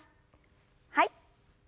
はい。